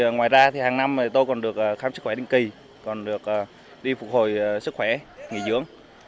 ngoài ra hàng năm tôi còn được khám sức khỏe định kỳ còn được đi phục hồi sức khỏe nghỉ dưỡng